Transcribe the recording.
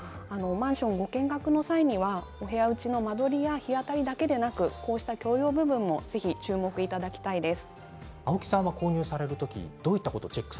マンションご見学の際にはお部屋内の間取りや日当たりだけではなく共用部分も確認いただきたいです。